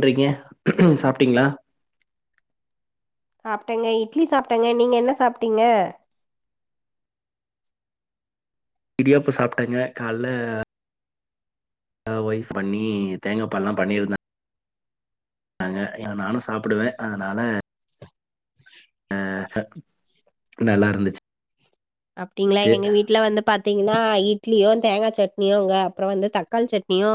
ண்றீங்க சாப்ட்டீங்ளா சாப்டேங்க இட்லி சாப்டேங்க நீங்க என்ன சாப்டீங்க இடியாப்போ சாப்ட்டங்க கால்ல அ ஒய்ஃப் பண்ணி தேங்காப்பால்லா பண்ணிருந்தா தாங்க அ நானு சாப்புடுவே அதனால அ நல்லா இருந்துச் அப்டீங்ளா எங்க வீட்ல வந்து பாத் த்தீங்கன்னா இட்லியு தேங்காச் சட்னியுங்க அப்ற வந்து தக்காள் சட்னியு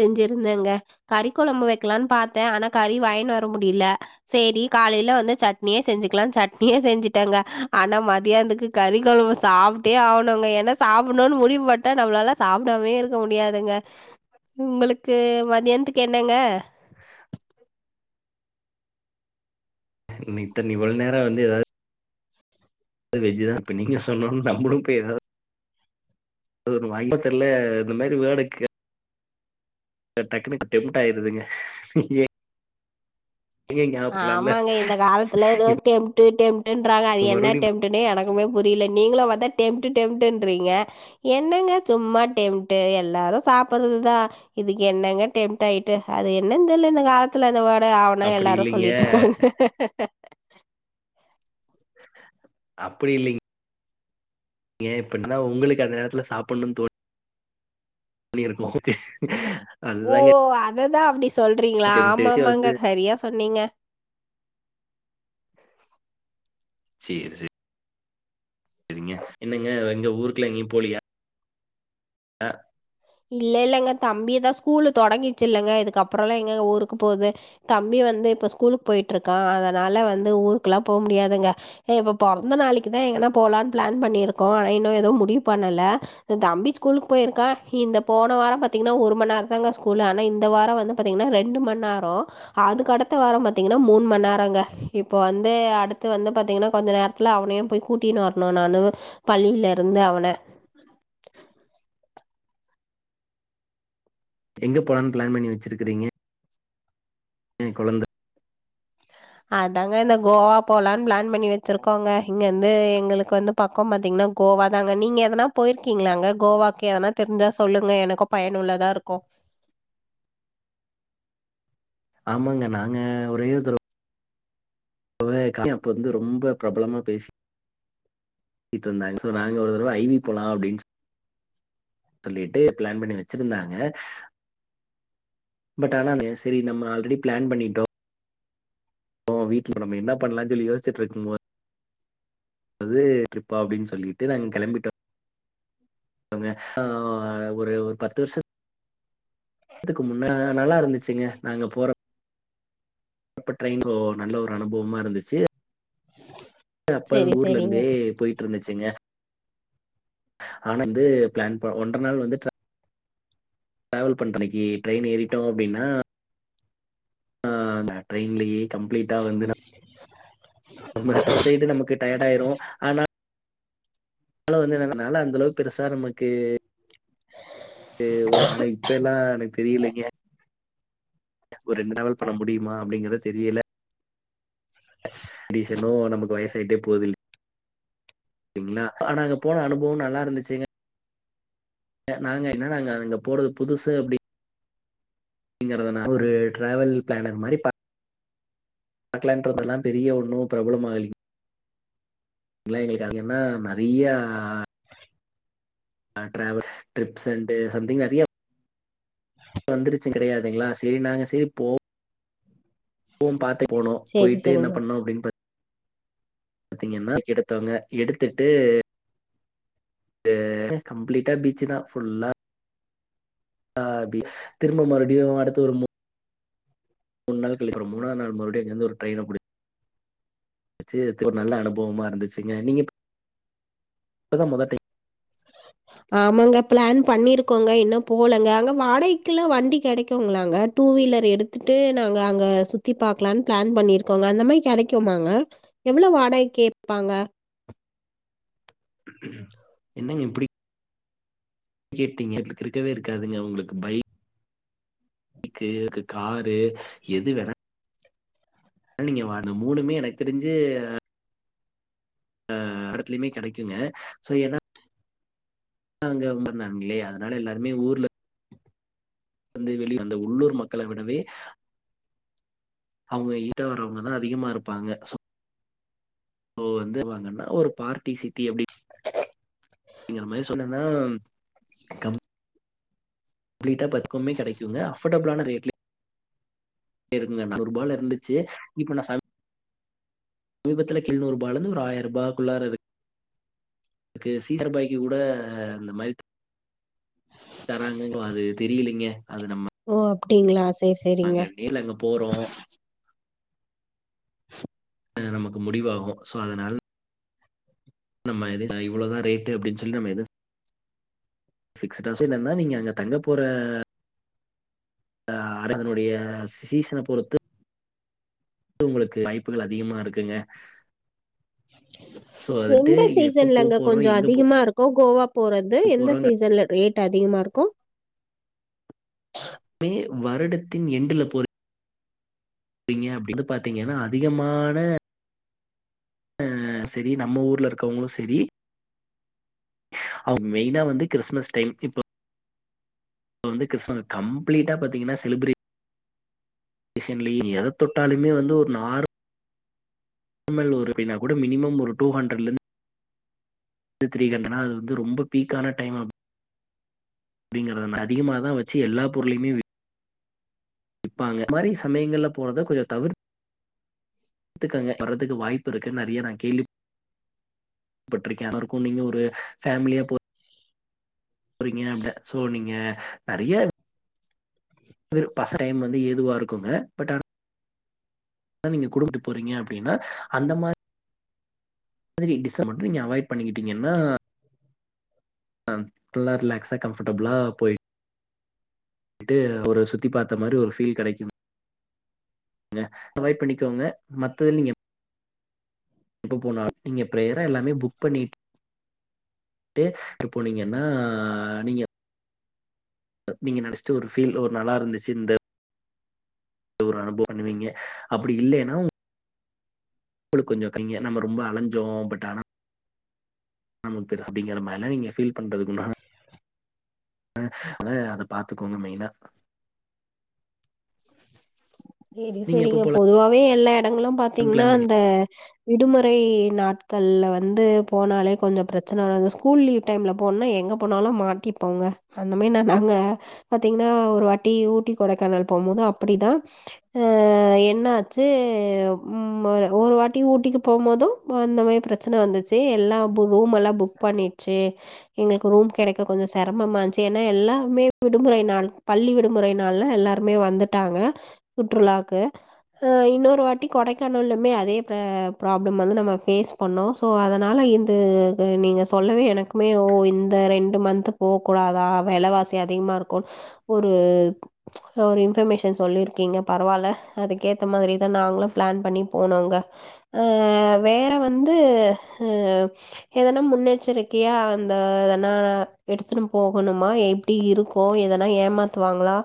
செஞ்சிருந்தேங்க கறி கொழம்பு வெக்கலான் பாத்த ஆனா கறி வாங்கினு வர முடில சேரி காலைல வந்து சட்னியே செஞ்சுக்லான் சட்னியே செஞ்சுட்டேங்க ஆனா மதியானத்துக்கு கறி கொழம்ப சாப்ட்டே ஆவணுங்க ஏன்னா சாப்பட்ணுன்னு முடிவு பட்டா நம்ளால சாப்டாமே இருக்க முடியாதுங்க உங்களுக்கு மதியான்த்துக்கு என்னங்க இன்ன இத்தன் இவ்ளோ நேரொ வந்து எதாது வெஜுதா இப்ப நீங்க சொன்னோன் நம்மளு போய் எதாவ் அது ஒன்னு வாங்கி என்னமே தெர்ல இந்த மாரி வேர்ட கே டக்குனு டெம்ட்டாயிருதுங்க ஏ ஆமாங்க இந்த காலத்துல எதோ டெம் ட்டு டெம் ட்டுன்றாங்க அது என்ன மறுபடியும் ட்டெம்ட்டுன்னே எனக்குமே புரில நீங்களு வந்தா டெம்ட்டு டெம்ட்டுன்றீங்க என்னங்க சும்மா டெம்ட்டு எல்லாரு சாப்புட்றது தா இதுக்கு என்னங்க டெம்ட்டு ஆயிட்டு அது என்னன்னு தெரில இந்த காலத்துல அந்த வா த ஆ ஊனா அப்படி எல்லாரு சொ இல்லைங்க சொல்லிட்டுருக்காங்க அப்டி இல்லிங் ஏன் அப்டினா உங்களுக்கு அந்த நேரத்துல சாப்புட்ணுன்னு தோ தோனிருக்கும் ஓ அத தா சொல்றீங்களா டெம்டேஷன் ஆமாமாங்க வந்து சரியா சொன்னீங்க செரி செரி சேரிங்க என்னங்க எங்க ஊருக்கெல்லா எங்கயு போலியா ஆஹ் இல்ல இல்லங்க தம்பிய தா ஸ்கூலு தொடங்கிச்சி இல்லங்க இதுக்கப்புறம்லா எங்கங்க ஊருக்கு போறது தம்பி வந்து இப்போ ஸ்கூலுக்கு போயிட்டிருக்கா அதனால வந்து ஊருக் எல்லா போக முடியாதுங்க இப்போ பொறந்த நாளைக்கி தா எங்கனா போகலான்னு பிளான் பண்ணியிருக்கோ ஆனா இன்னு ஏதோ முடிவு பண்ணல தம்பி ஸ்கூலுக்கு போயிருக்கா இந்த போன வாரம் பாத்திங்கன்னா ஒரு மணநேரம் தாங்க ஸ்கூலு ஆனா இந்த வாரம் வந்து பாத்தீங்கன்னா ரெண்டு மண்நேரோ அதுக்கு அடுத்த வாரம் பாத்தீங்கன்னா மூணு மண்நேரம்ங்க இப்போ வந்து அடுத்து வந்து பாத்தீங்கன்னா கொஞ்சோ நேரத்துல அவனையும் போய் கூட்டினு வரனும் நானு பள்ளில இருந்து அவன எங்க போலான்னு பிளான் பண்ணி வெச்சிருக்றீங்க [unintelligible] கொழந்த அதாங்க இந்த கோவா போலான்னு பிளான் பண்ணி வெச்சிருக்கோங்க இங்கந்து எங்களுக்கு வந்து பக்கோ பாத்தீங்கன்னா கோவா தாங்க நீங்க எதனா போயிருக்கீங்களா கோவாக்கு எதனா தெரிஞ்சா சொல்லுங்க எனக்கோ பயனுள்ளதா இருக்கோ ஆமாங்க நாங்க ஒரே ஒருதர [inaudible] அப்ப வந்து ரொம்ப பிரபலமா பேசிட் பேசிட்டிருந்தாங்க சோ நாங்க ஒரு தடவ ஐ வி போலாம் அப்டின்னு சொல்லிட்டு பிளான் பண்ணி வெச்சிருந்தாங்க பட் ஆனா [unintelligible] சேரி நம்ம ஆல்ரெடி பிளான் பண்ணிட்டோ அப்போ வீட்டுல நம்ம என்ன பண்ணலாம்னு சொல்லி யோசிச்சிட்டு இருக்கு போது [unintelligible] ட்ரிப் அப்டின்னு சொல்லிட்டு நாங்க கிளம்பிட்டோ ஆஹ் ஒரு ஒரு பத்து வருஷதுக்கு முன்னா நல்லா இருந்துச்சுங்க நாங்க போற அப்ப ட்ரெயின்ல நல்ல ஒரு அனுபவமா இருந்துச்சி அப்ப சரி, ஊர்ல சரிங்க. இருந்தே போயிட்டு இருந்துச்சுங்க ஆனா வந்து பிளான் ப ஒன்றர நாள் வந்து ட்ரா ட்ராவல் பண்ற அன்னைக்கு ட்ரெயின் ஏறிட்டோ அப்டின்னா ஆஹ் நா ட்ரெயின்லயே கம்ப்ளீட் நம்ம சைடு நமக்கு டயர்ட ஆயிரும் ஆனா அதனால வந்து எனக்குலா அந்த அளவு பெருசா நமக்கு ஒரு ஆனா இப்ப எல்லா எனக்கு தெரியலங்க ஒரு ரெண்டு நாள் பண்ண முடியுமா அப்படிங்கறத தெரியல டீச்சன்னும் நமக்கு வயச ஆயிட்டே போகுதில்ல ங்களா ஆ நாங்க போன அனுபவம் நல்லா இருந்துச்சுங்க நாங்க என்ன நாங்க அங்க போறது புதுசு அப்டி அப்படிங்கிறனால ஒரு டிரராாவல் பிளானர் மாரி அட்லாண்டோதெல்லா பெரிய ஒண்ணு பிரபலமா இல் ல எங்களுக்கு அது என்ன நரிய டிராவல் ட்ரிப்ஸ் அண்டு சம்திங் நரிய வந்துருச்சு கடையாதுங்களா சரி நாங்க சரி போ வும் பாத்து போனோ சரி, போயிட்டு என்ன சரிங்க. பண்ணோம் அப்படின்னு பா பாத்தீங்கன்னா எடுத்தவங்க எடுத்துட்டு அ கம்ப்ளீட்டா பீச்சு தா ஃபுல்லா திரும்ப மறுடியும் அடுத்து ஒரு மூணு மூணு நாள் கழிக்கறோம் மூணா நாள் மறுடியும் அங்கந்து ஒரு ட்ரெயின பு ச்சு ஒரு நல்ல அனுபவமா இருந்துச்சுங்க நீங்க இப் இப்ப தா மொத டைம் ஆமாங்க பிளான் பண்ணிருக்கோங்க இன்னும் போலங்க அங்க வாடகைக்கு எல்லாம் வண்டி கிடைக்குங்களாங்க டூ வீலர் எடுத்துட்டு நாங்க அங்க சுத்தி பாக்கலாம்னு பிளான் பண்ணிருக்கோங்க அந்த மாதிரி கிடைக்குோமாங்க எவ்வளவு வாடகை கேட்பாங்க என்னங்க இப்டி கேட்டிங்க இருக்கவே இருக்காதுங்க உங்களுக்கு பை க்குக்கு காரு எது வேண நீங்க மூணுமே எனக்கு தெரிஞ்சு அ இடத்துலயுமே கிடைக்குங்கோ ஏன்னா அங்கொம்ப நலைய அதனால எல்லாருமே ஊர்ல வந்து வெளிய வந்த உள்ளூர் மக்களை விடவே அவங்க ஈட்ட வரவங்கதான் அதிகமா இருப்பாங்க வந்துங்கன்னா ஒரு பார்டி சிட்டி அப்ப அப்பங்கற மாதிரி சொன்னேன்னா அப்பிட்டா பத்துக்குமே கிடைக்குங்க அஃபர்டபிளான ரேட் இருங்க ந ரூப இருந்துச்சு இப்ப நான் சமீபத்துல கிழ்நூறு ரூபாய இருந்து ஒரு ஆயிரம் ரூபாய்க்குள்ளார இருக்குக்கு சீச ரூபாய்க்கு கூட அந்த மாதிரி தராங்கன்ன அது தெரியலங்க அது நம்ம ஓ அப்டிங்களா நாங்க நீல அங்க போறோம் நமக்கு முடிவாகும் சோ அதனால் நம்ம எது இவ்வளோதான் ரேட்டு அப்படின்னு சொல்லி நம்ம எது ஃபிகஸ் டஃப்பேன நீங்க அங்க தங்க போற அதனுடைய சீசன பொறுத்து உங்களுக்கு வாய்ப்புகள் அதிகமா இருக்குங்க சோ வந்துட்டு எந்த எப்ப போ சீசன்லங்க போறோ கொஞ்சம் எங்க போ அதிகமா இருக் கும் கோவ போறது எந்த போறோ சீசன்ல ரே ட் அதிகமா இருக்கும் வருடத்தின் எண்டல போறீங்க அப்பட பாார்த்தீங்கன்னா அதிகமான ஹ சரி நம்ம ஊர்ல இருக்கவங்களும் சரி அவங்க மெயினா வந்து கிறிஸ்மஸ் டைம் இப்ப இ வந்து கிறி கம்ப்ளீட்டா பாத்தீங்கன்னா செலிப்ரேஷன் எதை தொட்டாலுமே வந்து ஒரு நார் நார்மல் ஒரு எப்டினா கூட மினிமம் ஒரு டூ ஹண்ட்ரட்லந்து த்ரீ ஹண்ட்ன அது வ ரொம்ப பீக்கான டைம் அப்படிங்கறதுன அதிகமா தான் வச்சு எல்லா பொருளையும விப்பாங்க மாரி சமயங்கள்ல போறதை கொஞ்சம் தவிர்தக்கங்க வர்றதுக்கு வாய்ப்பு இருக்குன்னு நிறைய நான் கேள்விப்பட்டிருக்கேன் அதுரைக்கும் நீங்க ஒரு. பேமிலியா போ றீங்க அப்ட சோ நீங்க அறிய ற பச டைம் வந்து ஏதுவா இருக்குங்க பட் ஆ நீங்க குடுபிட்டு போறீங்க அப்படின்னா அந்த மாதிரி டிஸ்ஸ மட்டு நீங்க அவாய்ட் பண்ணிக்கிட்டீங்கன்னா அ நல்லா ரிலாக்ஸா கம்ஃபர்ட்டபுளா போயிட்டு ஒரு சுத்தி பார்த்த மாதிரி ஒரு ஃபீல் கிடைக் கும்க ய் பண்ணிக்கோங்க மத்தத நீங்க எப்ப போனும் நீங்க பிரயரா எல்லாமே புக் பண்ணி இப்ப போனீங்கன்னா நீங்க நீங்க நெனச்சிட்டு ஒரு ஃபீல் ஒரு நல்லா இருந்துச்சு இந்த ஒரு அனுபவம் பண்ணுவீங்க அப்படி இல்லலைன்னாளுக்கு கொஞ்சம் கங்க நம்ப ரொம்ப அலைஞ்சோம் பட் ஆனா ஆ பே அப்படிங்கற [unintelligible] பண்றது குண அ அத அத பாத்துக்கோங்க மெயினா செரி நீங்க எப்ப செரிங்க பொதுவாவே எல்லாம் இடங்களும் போலான்னு பாத்தீங்கன்னா பிளான் பண்ணி அந்த விடுமுறை நாட்கள்ல வந்து போனாலே கொஞ்சோ பிரச்சன வரும் அ ஸ்கூல் லீவ் டைம்ல போனோம்னா எங்க போனாலும் மாட்டிப்போங்க அந்த மாரி ந நாங்க பாத்தீங்கன்னா ஒரு வாட்டி ஊட்டி கொடைக்கானல் போகும்போது அப்படிதான் ஆஹ என்ன ஆச்சு ஒரு வாட்டி ஊட்டிக்கு போகும்போதும் அந்த மாதிரி பிரச்சனை வந்துச்சு எல்லாம் ரூம்மெல்லாம் புக் பண்ணிடுச்சு எங்களுக்கு ரூம் கெடைக்க கொஞ்சம் சிரமமாச்சு ஏன்னா எல்லாருாமே விடுமுறை நாள் பள்ளி விடுமுறை நாள்லா எல்லாருமே வந்துட்டாங்க சுற்றுலாக்கு இன்னொரு வாட்டி கொடைக்கானலலமே அதே ப்ராப்ளம் வந்து நம்ம ஃபேஸ் பண்ணோம் ஸோ அதனால இ நீங்கள் சொல்லவே எனக்குமே ஓ இந்த ரெண்டு மந்த்த் போக கூூடாதா விலைவாசி அதிகமாக இருக்கூ ஒரு ஒரு இன்ஃபர்மேஷன் சொல்லிருக்கீங்க பரவாயில்ல அதுக்கேத்த மாதிரிதான் நாங்களும் பிளான் பண்ணி போனோங்க அஹ் வேற வந்து அஹ எதனா முன்னெச்சரிக்கையா அந்த இதனா எடுத்துன்னு போகணுமா எப்படி இருக்கோ எதனா ஏமாத்துவாங்களா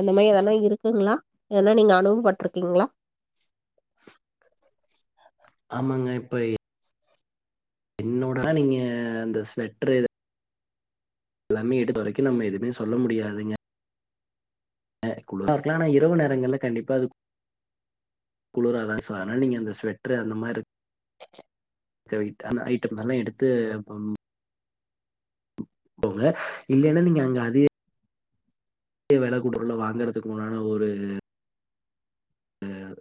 அந்த மாதிரி எதனா இருக்குங்களா இதன்னா நீங்க அனுபவப்பட்டிருக்கீங்களா ஆமாங்க இப்ப என்னோடா நீங்க அந்த ஸ்வெட்டரு எல்லாமே எடுத்து வரைக்கும் நம்ம எதுவுமே சொல்ல முடியாதுங்க ஹ் குளக்கலாம் ஆனா இரவு நேரங்கள்ல கண்டிப்பா அது குளிராதான் ச ஆனா நீங்க அந்த ஸ்வெட்டரு அந்த மாதிரிந்த ஐட்டம் எல்லாம் எடுத்து போங்க இல்லலைன்னா நீங்க அங்க அத விலைகுடரல வாங்கறதுக்கு முன்னான ஒரு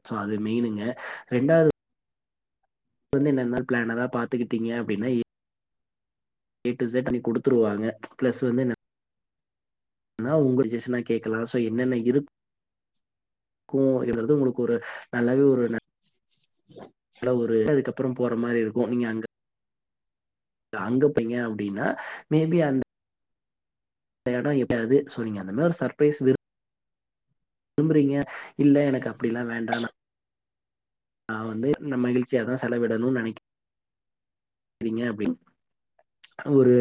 சோ அது மெயினுங்க ரெண்டாவது அ வந்து என்னெந்த பிளானரா பாத்துக்கிட்டீங்க அப்படின்னா ஏ டு ஜட் நீ கொடுத்துருவாங்க பிளஸ் வந்து ஆனா உங்க ஜெஷனா கேட்கலாம் சோ என்னென்ன இருக்கூ என்றது உங்களுக்கு ஒரு நல்லவி உரு அப்புறோ போற மாதிரி இருக்கும் நீங்க அங்க அங்க போையங்க அப்படின்னா மேபி அந்த இடம் எப்படியாவது சொ அந்த மாரி ஒரு சர்பரைஸ் றீங்க இல்ல எனக்கு அப்படிலா வேண்டானா நஹ வந்து இந்த மகிழ்ச்சியதான் செலவிடணும்னு நினைக்கிறேன்ங்க அப்டின்னு ஒரு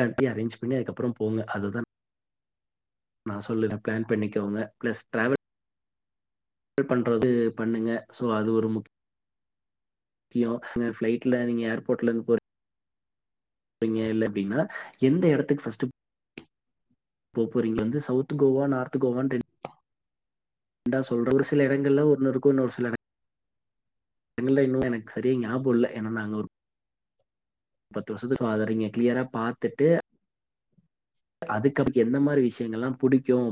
அனுப்பி அரேஞ்ச் பண்ணி அதுக்கப்புறோ போங்க அததான் நான் சொல்லன் பிளான் பண்ணிக்கோங்க பிளஸ் டல்ல் பண்றது பண்ணுங்க சோ அது ஒரு முக்கியம் பிளைட்ல நீங்க ஏர்போர்ட்ல இருந்து போற அங்க இல்ல அப்படீங்னா எந்த இடத்துக்கு ஃபஸ்ட் போ போறீங்க வந்து சவுத் கோவா நார்த் கோவான் ரண்டா சொல்ற ஒரு சில இடங்கள்ல ஒருன்னொறுக்கும் இன்னொரு சில இடங்கள் எங்கல இன்னும் எனக்கு சரிய ஞாபகம் இல்லை ஏன்ன நாங்க ஒருப்பத்து வருஷத்து அதங்க கிளியரா பாத்துட்டு அதுக்கப்பு எந்த மாரி விஷயங்கள் எல்லாம் பிடிக்கும்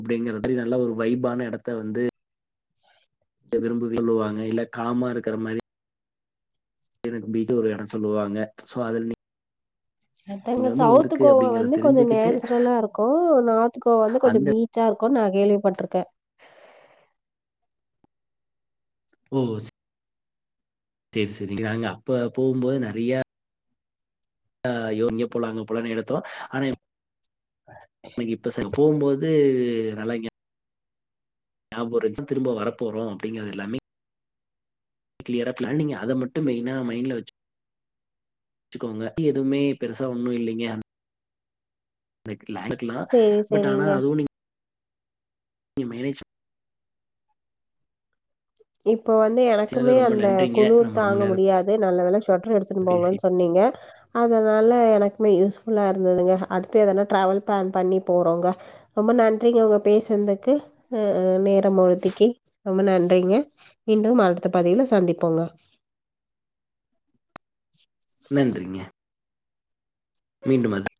அப்படிங்கறதுல நல்லா ஒரு வைபான இடத்த வந்து ச விரும்பி சொல்லுவாங்க. இல்ல காமா இருக்கிற மாரி எனக்கு பீச்ச ஒரு இடம் சொல்லுவாங்க சோ அதுல நீ அங்க சவுத் கோவா அப்படிங்கிறத வந்து கொஞ்சோ தெரிஞ்சுக்கிட்டு நேச்சுரலா இருக்கும் நார்த் கோவா வந்து கொஞ்சம் அந்த பீச்சா இருக்கும் நான் கேள்விப்பட்டிருக்கே ஓ செரி செரி நாங்க அப்ப போகும்போது நெறைய ஆ யோ இங்க போலாங்க போலனு எடுத்தோம் ஆனா எனக்கு இப்ப போகும்போது நல்லாருக்கய ஞாபம் இருக்கு திரும்ப வர போறோம் அப்படிங்கறது எல்லாமே கிளியரா பிளானிங் அதை மட்டும் மெயினா மைண்டல வச்சுக்கோங்க எதுவுமே பெருசா ஒண்ணும் இல்லைங்க இருக்கலாம் சரி, பட் ஆனா சரிங்க. அதுவும் நீங்க நீ மேரேஜ் இப் இப்போ வந்து எனக்குமே ரொம்ப அந்த நன்றிங்க குளிர் நம்ம ரொம்ப தாங்க நேரம் முடியாது நல்ல வேல எடுத்து போங்க பேசி சொன்னீங்க அதனால எனக்குமே யூஸ் யூஸ் ஃபுல்லாக இருந்ததுங்க அடுத்து எதனா ட்ராவல் பிளான் பண்ணி போகிறோங்க ரொம்ப நன்றிங்க உங்க பேசுதுக்கு நேரம் ஒதுக்கி ரொம்ப நன்றிங்க இன்னும் அடுத்த பதிவுல சந்திப்போங்க நன்றிங்க மீண்டும் வேண்டா